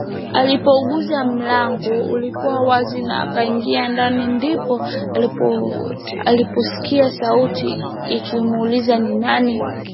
Alipougusa mlango ulikuwa wazi na akaingia ndani ndipo aliposikia sauti ikimuuliza ni nani